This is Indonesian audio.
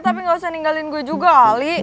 tapi gak usah ninggalin gue juga ali